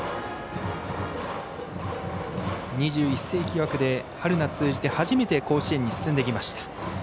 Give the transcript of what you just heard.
２１世紀枠で春夏通じて初めて甲子園に進んできました。